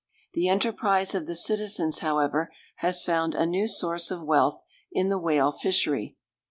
The enterprise of the citizens, however, has found a new source of wealth in the whale fishery.